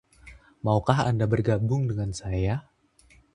Maukah Anda bergabung dengan saya?